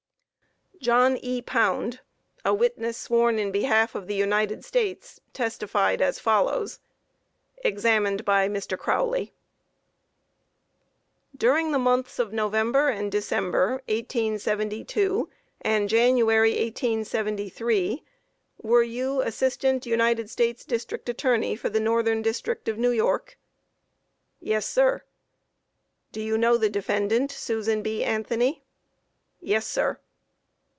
_ JOHN E. POUND, a witness sworn in behalf of the United States, testified as follows: Examined by MR. CROWLEY. Q. During the months of November and December, 1872, and January, 1873, were you Assistant United States Dist. Attorney for the Northern District of New York? A. Yes, sir. Q. Do you know the defendant, Susan B. Anthony? A. Yes, sir.